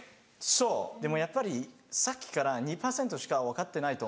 そうでもやっぱりさっきから２％しか分かってないと思う。